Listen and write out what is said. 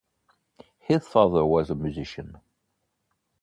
His father was a musician.